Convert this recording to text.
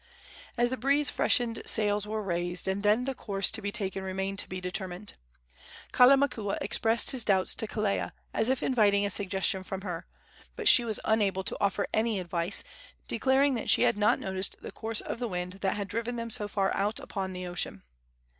As the breeze freshened sails were raised, and then the course to be taken remained to be determined. Kalamakua expressed his doubts to Kelea, as if inviting a suggestion from her; but she was unable to offer any advice, declaring that she had not noticed the course of the wind that had driven them so far out upon the ocean.